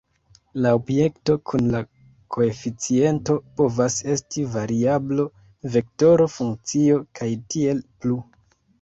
La objekto kun la koeficiento povas esti variablo, vektoro, funkcio, kaj tiel plu.